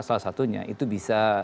salah satunya itu bisa